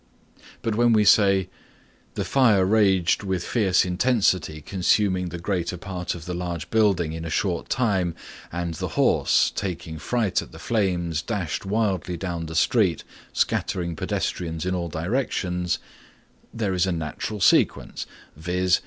But when we say "The fire raged with fierce intensity consuming the greater part of the large building in a short time and the horse taking fright at the flames dashed wildly down the street scattering pedestrians in all directions," there is a natural sequence, viz.